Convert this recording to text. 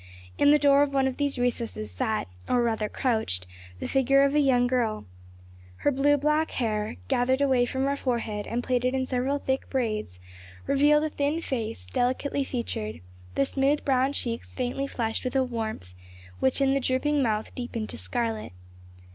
In the door of one of these recesses sat, or rather crouched, the figure of a young girl. Her blue black hair, gathered away from her forehead and plaited in several thick braids, revealed a thin face, delicately featured, the smooth brown cheeks faintly flushed with a warmth, which in the drooping mouth deepened to scarlet.